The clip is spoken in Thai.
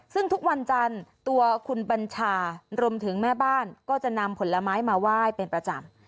ซึ่งทุกวันจันทร์ตัวคุณบัญชารวมถึงแม่บ้านก็จะนำผลไม้มาไหว้เป็นประจำ